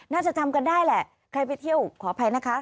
น่าจะจำกันได้แหละใครไปเที่ยวขออภัยนะคะ